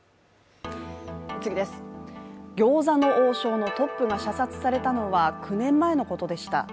餃子の王将のトップが射殺されたのは９年前のことでした。